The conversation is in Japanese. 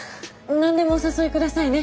何でもお誘い下さいね。